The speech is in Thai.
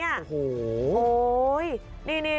โอ้โหโอ้ย